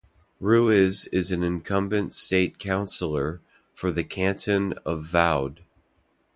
Ruiz is an incumbent State Councilor for the canton of Vaud.